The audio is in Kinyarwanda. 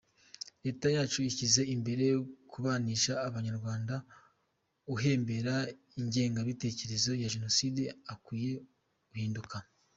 Leta yacu ishyize imbere kubanisha Abanyarwanda uhembera ingengabitekerezo ya Jenoside akwiye guhinduka.